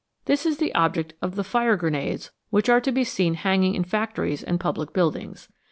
This is the object of the fire grenades which are to be seen hanging in factories and public buildings.